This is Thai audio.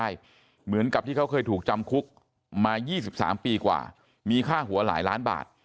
เหมือนกับที่เขาเคยถูกจำคุกมา๒๓ปีกว่ามีค่าหัวหลายล้านบาท